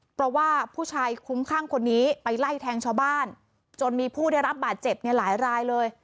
เพราะว่าผู้ชายคุ้มข้างคนนี้ไปไล่แทงชาวบ้านจนมีผู้ได้รับบาดเจ็บในหลายรายเลย